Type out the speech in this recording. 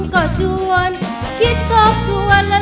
ขอซักหน่อยแล้ว